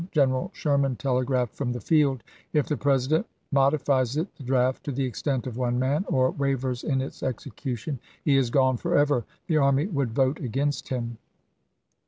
General Sherman telegraphed from the field, " If the President modi fies it [the draft] to the extent of one man, or wavers in its execution, he is gone forever; the Sei?64.17' army would vote against him."